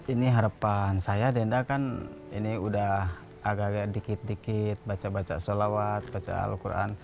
ini harapan saya denda kan ini udah agak agak dikit dikit baca baca sholawat baca al quran